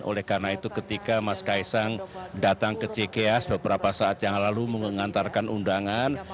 oleh karena itu ketika mas kaisang datang ke cks beberapa saat yang lalu mengantarkan undangan